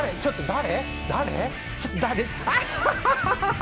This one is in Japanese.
誰？